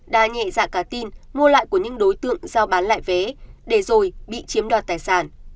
đa nhẹ dạ cả tin mua lại của những đối tượng giao bán lại vé để rồi bị chiếm đoạt tài sản